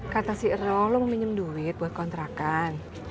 kata si erol lo mau minum duit buat kontrakan